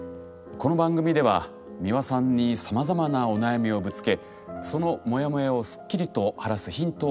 この番組では美輪さんにさまざまなお悩みをぶつけそのモヤモヤをスッキリと晴らすヒントを頂きます。